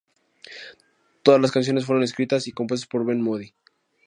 Todas las canciones fueron escritas y compuestas por Ben Moody.